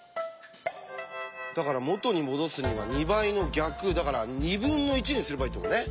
だから元にもどすには２倍の逆だから２分の１にすればいいってことね。